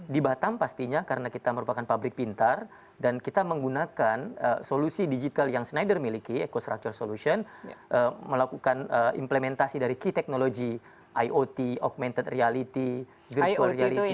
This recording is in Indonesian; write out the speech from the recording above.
di batam pastinya karena kita merupakan pabrik pintar dan kita menggunakan solusi digital yang schneider miliki eco structure solution melakukan implementasi dari key technology iot augmented reality virtual reality